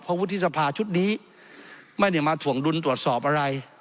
เพราะวุฒิสภาชุดนี้ไม่ได้มาถ่วงดุลตรวจสอบอะไร